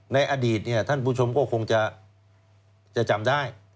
ในอดีตท่านผู้ชมก็คงจะจำได้